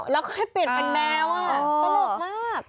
แล้วเข้าไปเป็นเป็นแมวตลกมาก